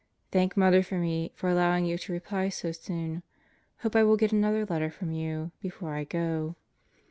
Thank Mother for me for allowing you to reply so soon. Hope I will get another letter from you before I go.